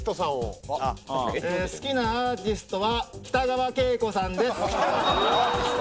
好きなアーティストは北川景子さんです。